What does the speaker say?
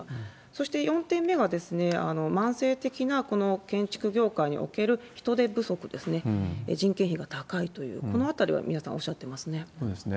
そして４点目が、慢性的な建築業界における人手不足ですね、人件費が高いという、このあたりは皆さん、おっしゃってますね。